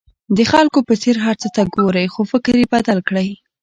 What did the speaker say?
د خلکو په څېر هر څه ته ګورئ خو فکر یې بدل کړئ.